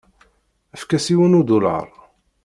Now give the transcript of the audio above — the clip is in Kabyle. Efk-as yiwen udulaṛ.